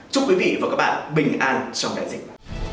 chúc quý vị và các bạn bình an sau đại dịch